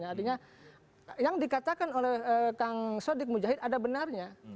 artinya yang dikatakan oleh kang sodik mujahid ada benarnya